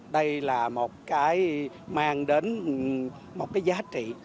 đây là một cái mang đến một cái giá trị